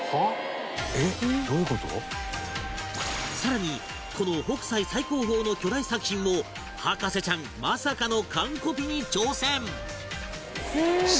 更にこの北斎最高峰の巨大作品も博士ちゃんまさかの完コピに挑戦！